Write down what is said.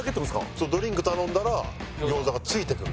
そうドリンク頼んだら餃子が付いてくる。